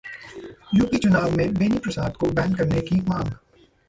UP चुनाव में बेनी प्रसाद को बैन करने की मांग